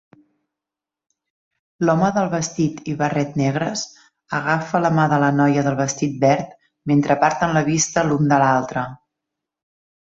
L'home del vestit i barret negres agafa la mà de la noia del vestit verd mentre aparten la vista l'un de l'altre